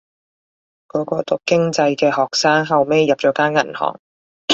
嗰個讀經濟嘅學生後尾入咗間銀行